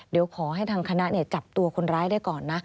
เดี๋ยวขอให้ทางคณะจับตัวคนร้ายได้ก่อนนะ